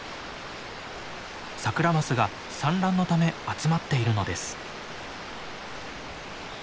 サクラマスが産卵のため集まっているのです。